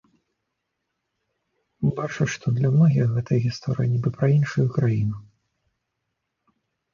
Бачу, што для многіх гэтая гісторыя нібы пра іншую краіну.